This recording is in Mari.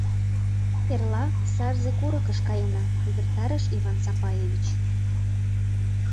— Эрла Сарзе курыкыш каена, — увертарыш Иван Сапаевич.